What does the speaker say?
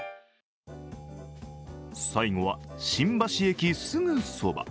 最後は新橋駅すぐそば。